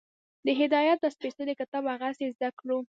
د هدایت دا سپېڅلی کتاب هغسې زده کړو